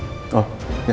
tidak ada masalah